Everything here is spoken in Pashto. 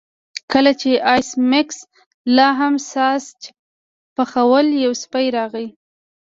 کله چې ایس میکس لاهم ساسج پخول یو سپی راغی